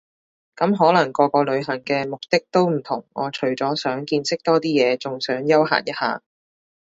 咁可能個個旅行嘅目的都唔同我除咗想見識多啲嘢，仲想休閒一下